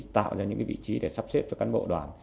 tạo ra những vị trí để sắp xếp cho cán bộ đoàn